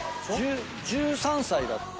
１３歳だった？